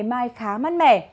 ngày mai khá mát mẻ